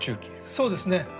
そうですね。